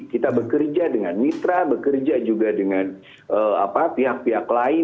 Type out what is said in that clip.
kita bekerja dengan mitra bekerja juga dengan pihak pihak lain